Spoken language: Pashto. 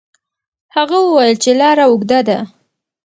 هغه وویل چې لار اوږده ده.